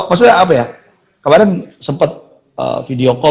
ngomongnya apa ya kemarin sempet video call